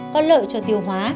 có lợi cho tiêu hóa